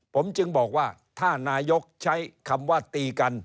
ผมจึงบอกว่าถ้านายกใช้คำว่าตีกัน